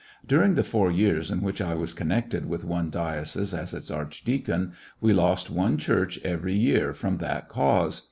DuriDg the four years in which I was connected with one diocese as its archdeacon we lost one church every year from that cause.